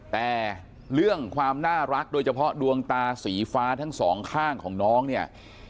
แต่เรื่องความน่ารักโดยเฉพาะดวงตาสีฟ้าทั้งสองข้างของน้องเนี่ย